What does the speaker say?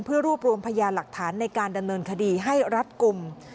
เพื่อรวบรวมพยานหลักฐานในการดำเนินคดีให้รัดกลุ่ม